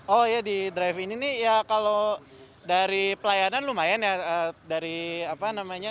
oh ya di drive in ini ya kalau dari pelayanan lumayan ya